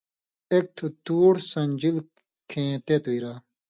ایک تھتُوڑ سݩدژیل کھیں تے تُوئرا